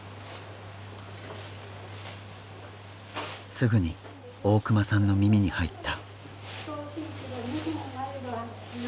すぐに大熊さんの耳に入った。